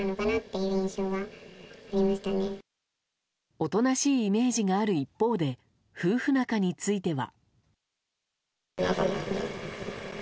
おとなしいイメージがある一方で、夫婦仲については。